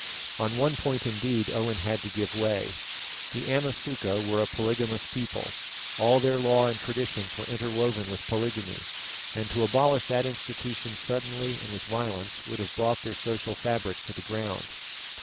On one point, indeed, Owen had to give way. The Amasuka were a polygamous people; all their law and traditions were interwoven with polygamy, and to abolish that institution suddenly and with violence would have brought their social fabric to the ground.